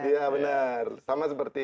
iya benar sama seperti itu